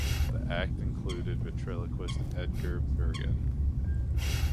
The act included ventriloquist Edgar Bergen.